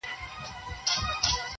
د ایپي د مورچلونو وخت به بیا سي!.